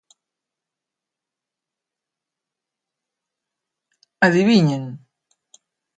Adiviñen...